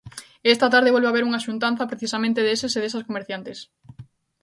E esta tarde volve haber unha xuntanza precisamente deses e desas comerciantes.